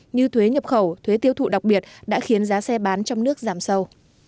như thuế nhập khẩu thuế tiêu thụ đặc biệt đã khiến giá xe bán trong nước giảm sâu